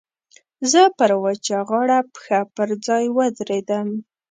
زه پر وچه غاړه پښه پر ځای ودرېدم.